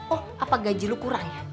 oh apa gaji lu kurang ya